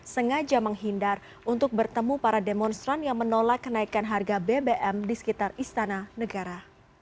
sengaja menghindar untuk bertemu para demonstran yang menolak kenaikan harga bbm di sekitar istana negara